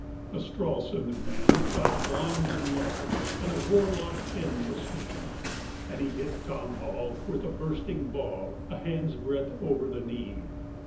A Stralsund man shot blind and large, and a warlock Finn was he, And he hit Tom Hall with a bursting ball a hand's breadth over the knee.